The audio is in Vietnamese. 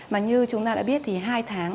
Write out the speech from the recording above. mà như chúng ta đã biết thì hai tháng